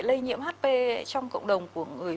lây nhiễm hp trong cộng đồng của người